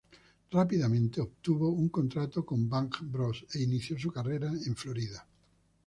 Rápidamente obtuvo un contrato con BangBros e inició su carrera en Florida.